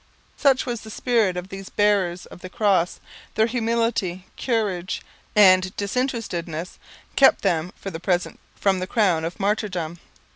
Such was the spirit of these bearers of the Cross. Their humility, courage, and disinterestedness kept them for the present from 'the crown of martyrdom.'